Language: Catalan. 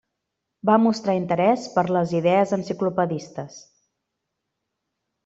Va mostrar interès per les idees enciclopedistes.